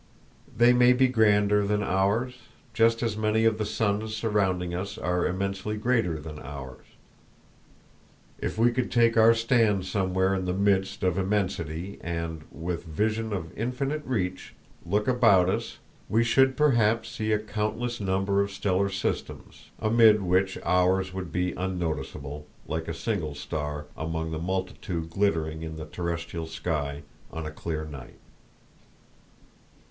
They may be grander than ours, just as many of the suns surrounding us are immensely greater than ours. If we could take our stand somewhere in the midst of immensity and, with vision of infinite reach, look about us, we should perhaps see a countless number of stellar systems, amid which ours would be unnoticeable, like a single star among the multitude glittering in the terrestial sky on a clear night.